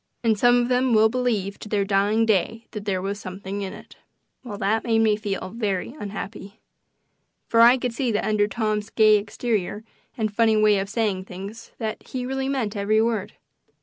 And some of them will believe to their dying day that there was something in it." Well, that made me feel very unhappy. For I could see that under Tom's gay exterior and funny way of saying things he really meant every word.